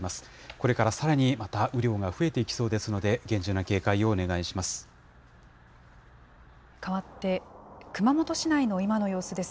これからさらにまた雨量が増えていきそうですので、厳重な警戒をかわって熊本市内の今の様子です。